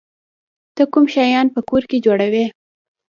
ته کوم شیان په کور کې جوړوی؟